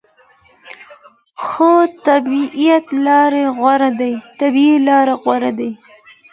خو طبیعي لارې غوره دي.